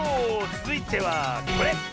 つづいてはこれ！